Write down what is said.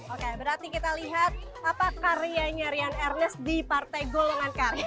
oke berarti kita lihat apa karyanya rian ernest di partai golongan karya